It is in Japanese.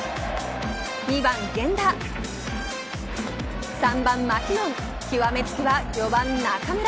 ２番源田３番マキノンきわめつきは４番中村。